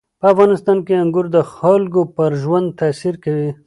په افغانستان کې انګور د خلکو پر ژوند تاثیر کوي.